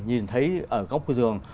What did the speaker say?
nhìn thấy ở góc giường